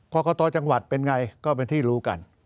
กรกตจังหวัดเป็นไงก็เป็นที่รู้กัน